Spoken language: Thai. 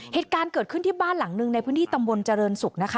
เหตุการณ์เกิดขึ้นที่บ้านหลังหนึ่งในพื้นที่ตำบลเจริญศุกร์นะคะ